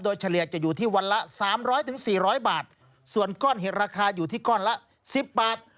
โดยเฉลี่ยจะอยู่ที่วันละสามร้อยถึงสี่ร้อยบาทส่วนก้อนเห็ดราคาอยู่ที่ก้อนละสิบบาท